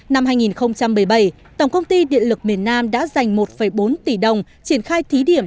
năm hai nghìn một mươi bảy tổng công ty điện lực miền nam đã dành một bốn tỷ đồng triển khai thí điểm